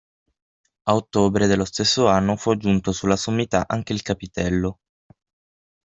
A ottobre dello stesso anno fu aggiunto sulla sommità anche il capitello.